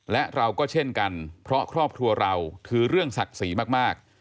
และเราก็เช่นกันเพราะครอบครัวเราถือเรื่องศักดิ์ศรีมาก